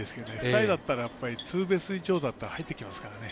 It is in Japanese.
２人だったらツーベース以上だったら入ってきますからね。